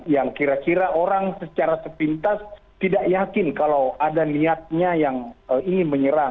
yang kira kira orang secara sepintas tidak yakin kalau ada niatnya yang ingin menyerang